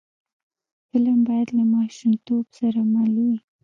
فلم باید له ماشومتوب سره مل وي